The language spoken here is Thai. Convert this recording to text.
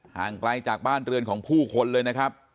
ห่างไกลจากบ้านเรือนของผู้คนเลยนะครับ